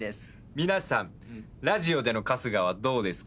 皆さんラジオでの春日はどうですか？